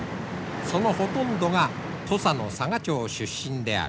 そのほとんどが土佐の佐賀町出身である。